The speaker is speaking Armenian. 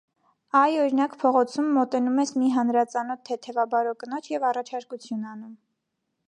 Այ, օրինակ, փողոցում մոտենում ես մի հանրածանոթ թեթևաբարո կնոջ և առաջարկություն անում.